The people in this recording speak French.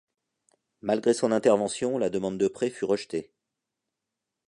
Malgré son intervention, la demande de prêt fut rejetée.